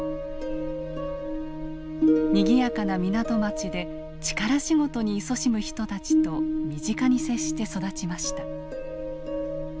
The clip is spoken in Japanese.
にぎやかな港町で力仕事にいそしむ人たちと身近に接して育ちました。